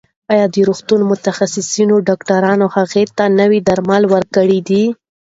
ایا د روغتون متخصص ډاکټرانو هغې ته نوي درمل ورکړي دي؟